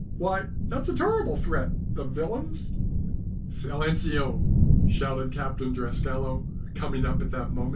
Why, that's a terrible threat! The villains " "Silenceo!" shouted Lieutenant Drascalo, coming up at that moment.